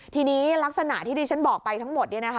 ทีนี้ลักษณะที่ที่ฉันบอกไปทั้งหมด